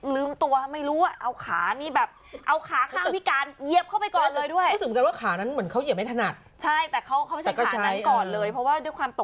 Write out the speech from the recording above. ลืมตัวไม่รู้ว่าเอาขานี่แบบเอาขาข้างพิการเหยียบเข้าไปก่อนเลยด้วย